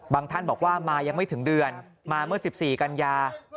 ท่านบอกว่ามายังไม่ถึงเดือนมาเมื่อ๑๔กันยา